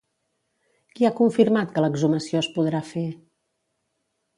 Qui ha confirmat que l'exhumació es podrà fer?